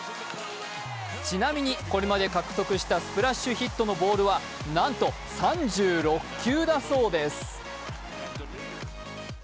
ちなみにこれまで獲得したスプラッシュヒットのボールはなんと３６球だそうです。